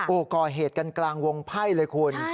โอ้โหก่อเหตุกันกลางวงไพ่เลยคุณ